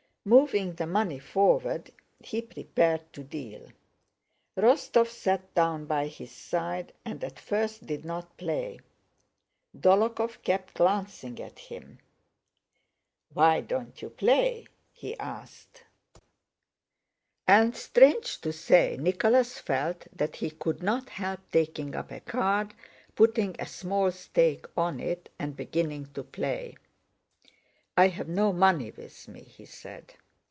Moving the money forward he prepared to deal. Rostóv sat down by his side and at first did not play. Dólokhov kept glancing at him. "Why don't you play?" he asked. And strange to say Nicholas felt that he could not help taking up a card, putting a small stake on it, and beginning to play. "I have no money with me," he said.